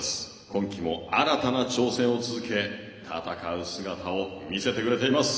今季も新たな挑戦を続け戦う姿を見せてくれています。